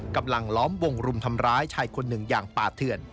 กำลังล้อมวงรุมทำร้ายชายคนหนึ่งอย่างป่าเถื่อน